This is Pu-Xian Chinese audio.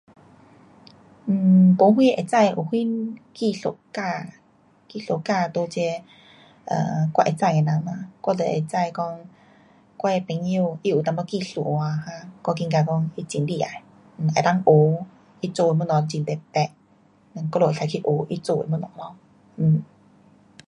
um 没什会知有啥艺术家，艺术家在这，呃，我会知的人呐，我就会知讲我的朋友他有一点艺术啊，um 我觉得讲他很厉害，能够学，他做的东西很特别，我们可以去学他做的东西咯。嗯